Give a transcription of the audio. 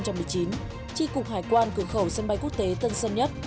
tri cục hải quan cửa khẩu sân bay quốc tế tân sơn nhất